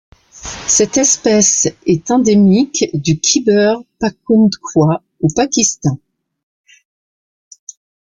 Cette espèce est endémique du Khyber Pakhtunkhwa au Pakistan.